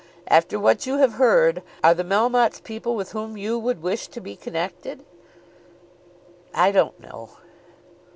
After what you have heard, are the Melmottes people with whom you would wish to be connected?" "I don't know."